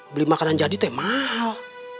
beli makanan jadi teh mahal